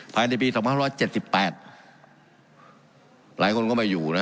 ภายในปีสองห้าร้อยเจ็ดสิบแปดหลายคนก็ไม่อยู่นะ